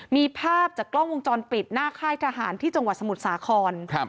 มีภาพจากกล้องวงจรปิดหน้าค่ายทหารที่จังหวัดสมุทรสาคร